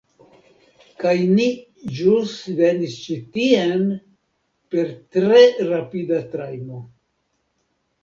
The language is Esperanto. Kaj ni ĵus venis ĉi tien per tre rapida trajno.